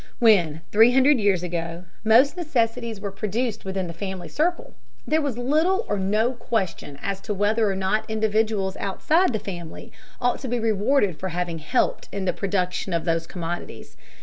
When, three hundred years ago, most necessities were produced within the family circle, there was little or no question as to whether or not individuals outside the family ought to be rewarded for having helped in the production of those commodities.